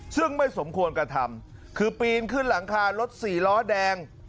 ซึ่งไม่สมควรกระทำคือปีนขึ้นหลังคารถสี่ล้อแดง